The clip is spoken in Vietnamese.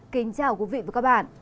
kính chào quý vị và các bạn